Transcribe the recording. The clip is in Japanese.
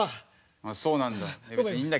あそうなんだ。